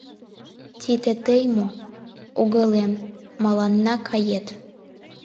Тите тый мо, угылем, маллан кает?